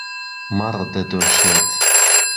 مەڕ دەدۆشێت.